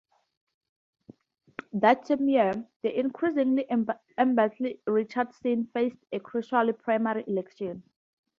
That same year, the increasingly embattled Richardson faced a crucial primary election.